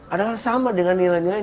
adalah sama dengan nilai nilai